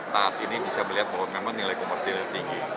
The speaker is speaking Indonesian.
tas ini bisa melihat menurut kami nilai komersialnya tinggi